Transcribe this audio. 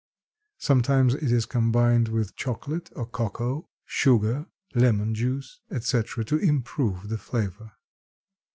Sometimes it is combined with chocolate or cocoa, sugar, lemon juice, etc., to improve the flavor.